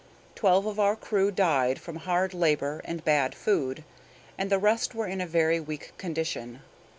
Twelve of our crew died from hard labor and bad food, and the rest were in a very weak condition.